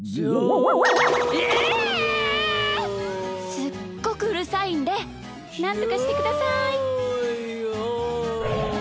すっごくうるさいんでなんとかしてください。